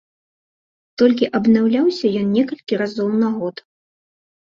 Толькі абнаўляўся ён некалькі разоў на год.